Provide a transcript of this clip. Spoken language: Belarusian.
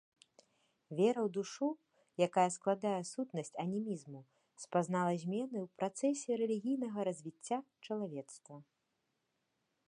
Вера ў душу, якая складае сутнасць анімізму, спазнала змены ў працэсе рэлігійнага развіцця чалавецтва.